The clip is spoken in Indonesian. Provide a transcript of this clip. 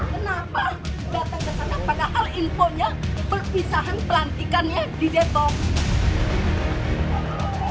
ternyata ke sana padahal infonya perpisahan pelantikannya di detok